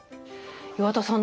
岩田さん